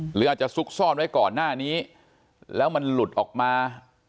หรืออาจจะซุกซ่อนไว้ก่อนหน้านี้แล้วมันหลุดออกมา